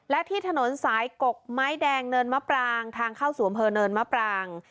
และที่ถนนสายกกไม้แดงเนินมะปรางทางเข้าสู่อำเภอเนินมะปราง